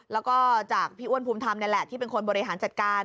แล้วก็จากพี่อ้วนภูมิธรรมนี่แหละที่เป็นคนบริหารจัดการ